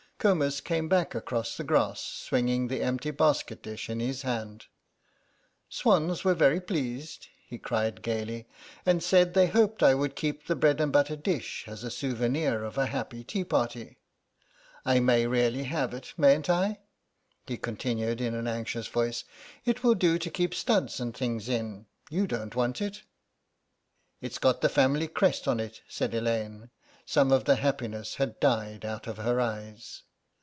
Comus came back across the grass swinging the empty basket dish in his hand. "Swans were very pleased," he cried, gaily, "and said they hoped I would keep the bread and butter dish as a souvenir of a happy tea party. I may really have it, mayn't I?" he continued in an anxious voice; "it will do to keep studs and things in. You don't want it." "It's got the family crest on it," said Elaine. Some of the happiness had died out of her eyes.